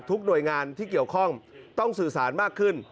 หน่วยงานที่เกี่ยวข้องต้องสื่อสารมากขึ้น